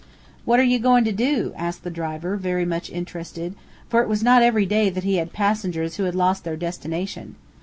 "What are ye goin' to do?" asked the driver, very much interested, for it was not every day that he had passengers who had lost their destination.